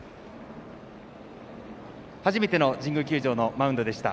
初めての神宮球場のマウンドでした。